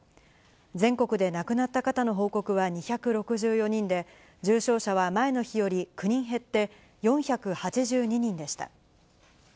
全国で亡くなった方の報告は２６４人で、重症者は前の日より９人減って４８２人でした。